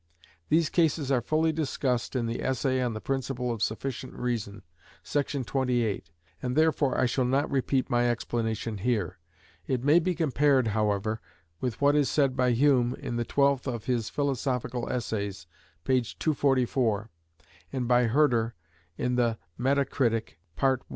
These cases are fully discussed in the essay on the principle of sufficient reason, § 28, and therefore I shall not repeat my explanation here. It may be compared, however, with what is said by Hume in the twelfth of his "Philosophical Essays," p. 244, and by Herder in the "Metacritik," pt. i.